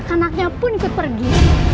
anaknya pun ikut pergi